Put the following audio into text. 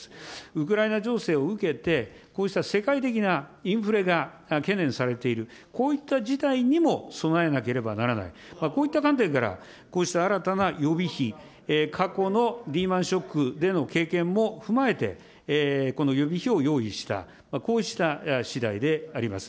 ウクライナ情勢を受けて、こうした世界的なインフレが懸念されている、こういった事態にも備えなければならない、こういった観点から、こうした新たな予備費、過去のリーマンショックでの経験も踏まえて、この予備費を用意した、こうしたしだいであります。